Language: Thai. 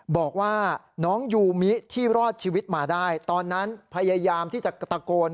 บอกว่าน้องยูมิที่รอดชีวิตมาได้ตอนนั้นพยายามที่จะตะโกน